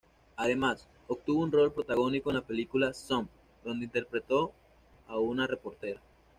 Además, obtuvo un rol protagónico en la película "Some", donde interpretó a una reportera.